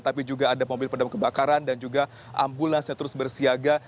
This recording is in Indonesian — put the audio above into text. tapi juga ada mobil pendam kebakaran dan juga ambulans yang terus bersiaga